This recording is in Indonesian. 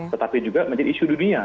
tetapi juga menjadi isu dunia